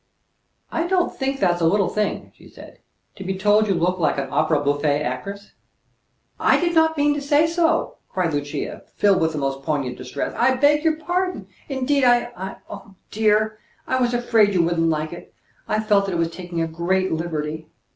"I don't think that's a little thing," she said. "To be told you look like an opéra bouffe actress." "I did not mean to say so," cried Lucia, filled with the most poignant distress. "I beg your pardon, indeed I oh, dear! I was afraid you wouldn't like it. I felt that it was taking a great liberty."